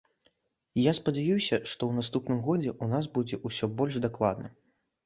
Я спадзяюся, што ў наступным годзе ў нас будзе ўсё больш дакладна.